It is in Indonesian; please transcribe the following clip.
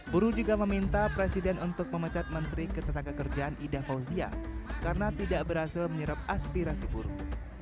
buruh juga meminta presiden untuk memecat menteri ketetangga kerjaan ida fauzia karena tidak berhasil menyerap aspirasi buruh